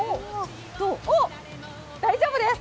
おっ、大丈夫です。